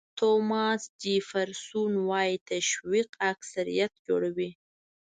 توماس جیفرسون وایي تشویق اکثریت جوړوي.